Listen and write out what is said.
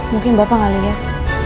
mungkin bapak gak liat